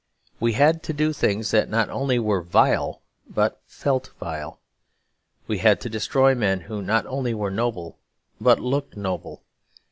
We had to do things that not only were vile, but felt vile. We had to destroy men who not only were noble, but looked noble.